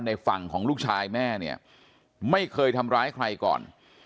ในฝั่งของลูกชายแม่เนี่ยไม่เคยทำร้ายใครก่อน